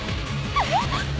えっ！？